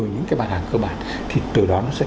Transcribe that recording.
những cái bản hàng cơ bản thì từ đó nó sẽ